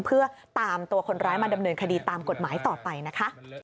เพื่อตามตัวคนร้ายมาดำเนินคดีตามกฎหมายต่อไปนะคะ